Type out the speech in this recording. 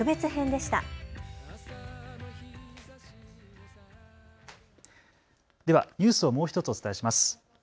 ではニュースをもう１つお伝えします。